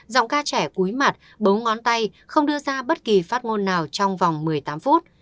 giọng ca trẻ cuối mặt bốn ngón tay không đưa ra bất kỳ phát ngôn nào trong vòng một mươi tám phút